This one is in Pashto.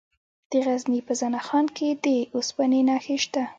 د غزني په زنه خان کې د اوسپنې نښې شته.